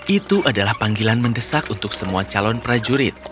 itu adalah panggilan mendesak untuk semua calon prajurit